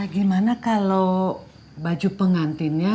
gimana kalau baju pengantinnya